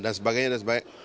dan sebagainya dan sebagainya